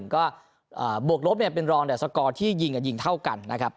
ก็บวกลบเป็นรองแต่สกอร์ที่ยิงกับยิงเท่ากันนะครับ